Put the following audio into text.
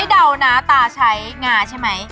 ให้เดาว่าตาก็ใช้หงะใช่ไหม